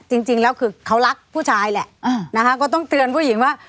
จริงแล้วคือเขารักผู้ชายแหละนะคะก็ต้องเตือนผู้หญิงว่า